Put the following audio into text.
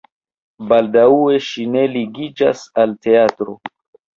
Baldaŭe ŝi ne ligiĝas al teatro.